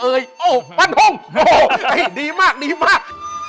เอ่ยโอ้ปันห่งโอ้ดีมากดีมาก